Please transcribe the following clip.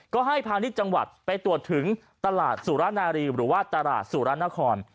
ก็ให้พาณิชย์จังหวัดไปตรวจถึงตลาดสุรนารีหรือว่าตลาดสุรนคร